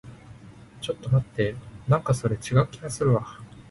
ちょっと待って。なんかそれ、違う気がするわ。